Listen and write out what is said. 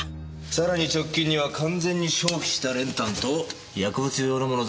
さらに直近には完全に消費した練炭と薬物状のもの